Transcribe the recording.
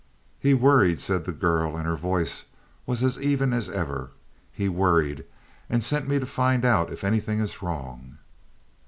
"He worried," said the girl, and her voice was as even as ever. "He worried, and sent me to find out if anything is wrong."